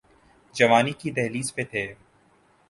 جوانی کی دہلیز پہ تھے۔